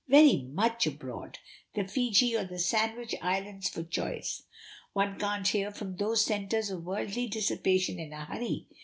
Very much abroad. The Fiji, or the Sandwich Islands for choice. One can't hear from those centres of worldly dissipation in a hurry.